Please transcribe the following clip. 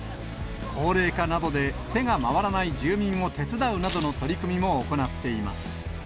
高齢化などで手が回らない住民を手伝うなどの取り組みも行っています。